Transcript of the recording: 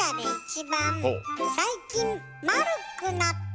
最近丸くなった。